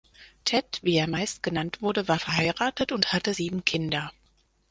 Ted, wie er meist genannt wurde, war verheiratet und hatte sieben Kinder.